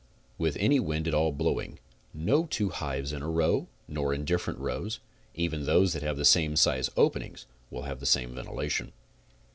With any wind at all blowing, no two hives in a row, nor in dif ferent rows, even though they have the same size openings, will have the same ventilation.